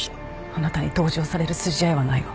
あなたに同情される筋合いはないわ。